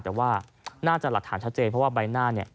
แต่ว่าน่าจะหลักฐานชัดเจนเพราะว่าใบหน้าเนี่ย